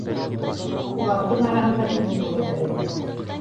— Уларҙың араһында юҡ түгелдер әле